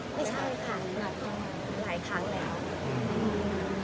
ตอนนี้นุ่นล่ะเขาแบบยังไม่ชิน